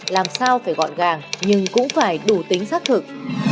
làm sao phải gọn gàng nhưng cũng phải đủ tính xác thực